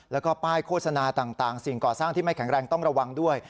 แล้วก็ป้ายโฆษณาต่างสิ่งก่อสร้างที่ไม่แข็งแรงต้องระวังด้วย